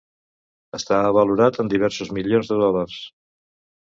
Estava valorat en diversos milions de dòlars.